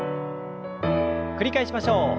繰り返しましょう。